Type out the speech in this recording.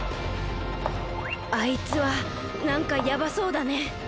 あいつはなんかやばそうだね。